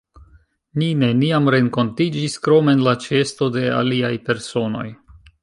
Ni neniam renkontiĝis, krom en la ĉeesto de aliaj personoj.